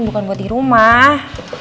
bukan buat di rumah